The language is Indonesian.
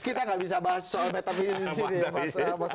kita nggak bisa bahas soal metafisis ini ya mas